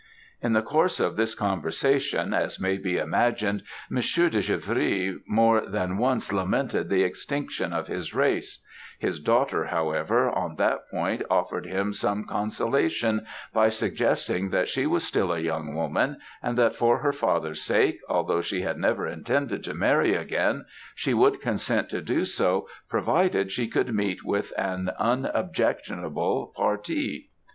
"In the course of this conversation, as may be imagined, Monsieur de Givry more than once lamented the extinction of his race; his daughter, however, on that point, offered him some consolation, by suggesting that she was still a young woman, and that for her father's sake, although she had never intended to marry again, she would consent to do so provided she could meet with an unobjectionable parti.